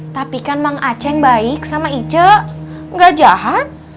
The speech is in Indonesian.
tapi kan mang aceng baik sama icet gak jahat